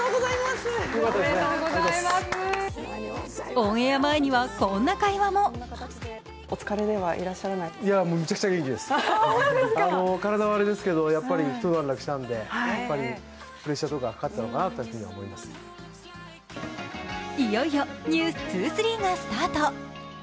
オンエア前にはこんな会話もいよいよ「ｎｅｗｓ２３」がスタート。